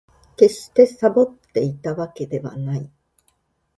決してサボっていたわけではない